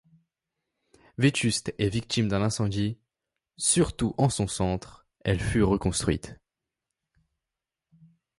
Vétuste et victime d'un incendie, surtout en son centre, elle fut reconstruite.